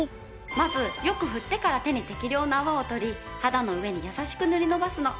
まずよく振ってから手に適量の泡を取り肌の上に優しく塗り伸ばすの。